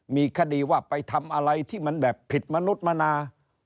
มีคดีว่าไปทำอะไรที่มันแบบผิดมนุษย์มนา